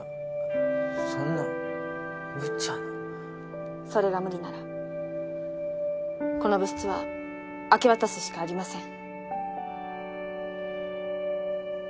そんなむちゃなそれが無理ならこの部室は明け渡すしかありません